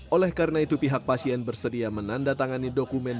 oleh karena itu pihak pasien bersedia menandatangani dokumen